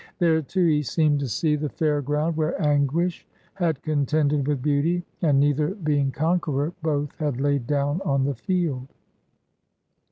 There, too, he seemed to see the fair ground where Anguish had contended with Beauty, and neither being conqueror, both had laid down on the field.